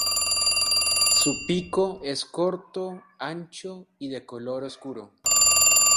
Su pico es corto, ancho y de color oscuro.